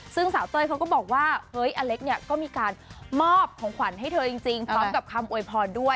ซึ่งสาวเต้ยเขาก็บอกว่าเฮ้ยอเล็กเนี่ยก็มีการมอบของขวัญให้เธอจริงพร้อมกับคำอวยพรด้วย